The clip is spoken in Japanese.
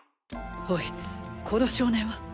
おいこの少年は。